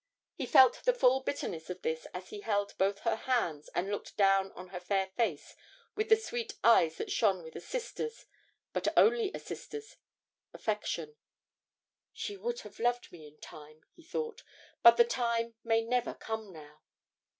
He felt the full bitterness of this as he held both her hands and looked down on her fair face with the sweet eyes that shone with a sister's but only a sister's affection. 'She would have loved me in time,' he thought; 'but the time may never come now.'